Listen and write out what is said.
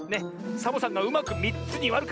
サボさんがうまく３つにわるから！